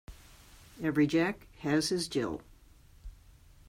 Every Jack has his Jill.